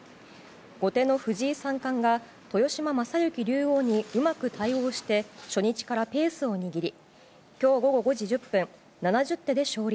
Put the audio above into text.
後手の藤井三冠が豊島将之竜王にうまく対応して初日からペースを握り今日午後５時１０分７０手で勝利。